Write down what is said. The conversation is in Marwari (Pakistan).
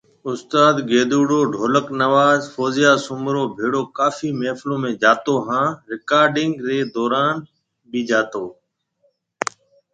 استاد گيدُوڙو ڍولڪ نواز فوزيا سومرو ڀيڙو ڪافي محفلون ۾ جاتو هان رڪارڊنگ ري دوران بِي بجاتو